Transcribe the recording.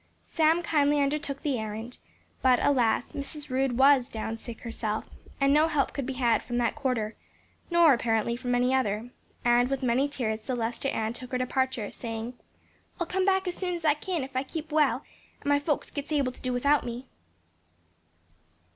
Sam kindly undertook the errand, but alas, Mrs. Rood was "down sick herself," and no help could be had from that quarter, nor apparently, from any other; and with many tears Celestia Ann took her departure, saying, "I'll come back as soon as I kin, if I keep well, and my folks gits able to do without me."